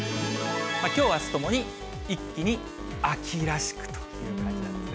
きょう、あすともに一気に秋らしくという感じなんですね。